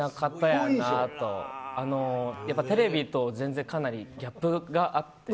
やっぱり、テレビと全然かなりギャップがあって。